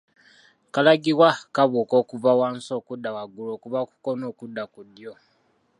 Kalagibwa kabuka okuva wansi okudda waggulu okuva ku kkono okudda ku ddyo